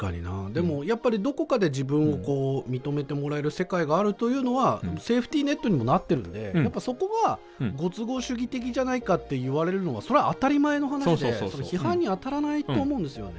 でもやっぱりどこかで自分を認めてもらえる世界があるというのはセーフティーネットにもなっているのでやっぱそこはご都合主義的じゃないかっていわれるのはそれは当たり前の話で批判に当たらないと思うんですよね。